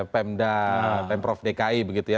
pm dan pm prof dki begitu ya